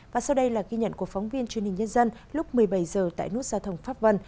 và sau đây là ghi nhận của phóng viên truyền hình nhân dân lúc một mươi bảy h tại nút giao thông pháp vân